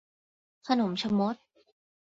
ขนมชะมด